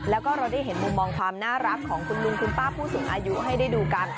แล้วก็เราได้เห็นมุมมองความน่ารักของคุณลุงคุณป้าผู้สูงอายุให้ได้ดูกัน